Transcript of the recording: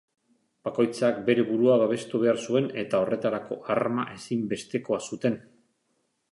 Bakoitzak bere burua babestu behar zuen eta horretarako arma ezinbestekoa zuten.